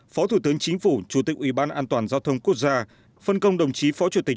phó thủ tướng chính phủ chủ tịch ủy ban an toàn giao thông quốc gia phân công đồng chí phó chủ tịch